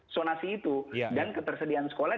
sonasi itu dan ketersediaan sekolah